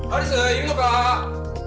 いるのかー？